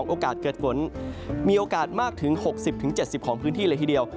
โอกาสเกิดฝนมีโอกาสมากถึง๖๐๗๐ของพื้นที่เลยทีเดียว